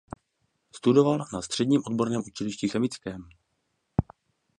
Studoval na Středním odborném učilišti chemickém.